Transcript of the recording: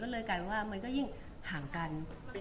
ก็เลยกลายเป็นว่ามันก็ยิ่งห่างกัน